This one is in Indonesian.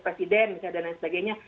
presiden dan lain sebagainya